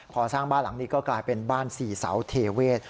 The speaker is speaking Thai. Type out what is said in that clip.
พอสร้างบ้านหลังนี้ก็กลายเป็นบ้านสี่เสาเทเวศ